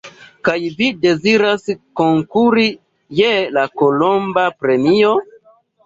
Kaj vi deziras konkuri je la kolomba premio?